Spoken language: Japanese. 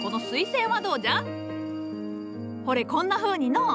ほれこんなふうにのう。